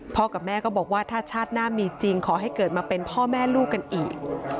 กับแม่ก็บอกว่าถ้าชาติหน้ามีจริงขอให้เกิดมาเป็นพ่อแม่ลูกกันอีก